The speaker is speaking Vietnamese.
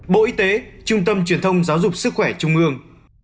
bộ y tế trung tâm truyền thông giáo dục sức khỏe trung ương